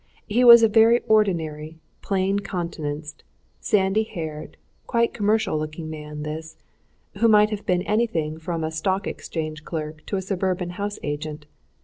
He was a very ordinary, plain countenanced, sandy haired, quite commercial looking man, this, who might have been anything from a Stock Exchange clerk to a suburban house agent.